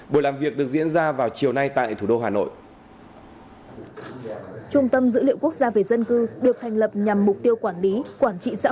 buổi làm việc được diễn ra vào chiều nay tại thủ đô hà nội